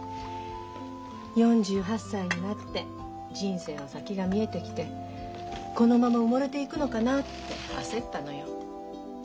４８歳になって人生の先が見えてきてこのまま埋もれていくのかなって焦ったのよ。